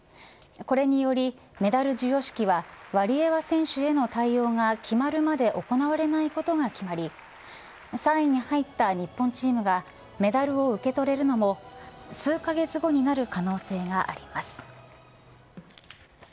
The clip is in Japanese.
これによりメダル授与式はワリエワ選手への対応が決まるまで行われないことが決まり３位に入った日本チームがメダルを受け取れるのも数カ月後になる可能性があります。